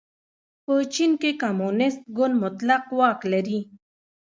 په چین کې کمونېست ګوند مطلق واک لري.